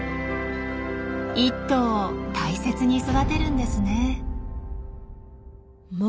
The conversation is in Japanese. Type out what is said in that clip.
１頭を大切に育てるんですね。